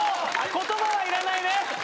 言葉はいらない。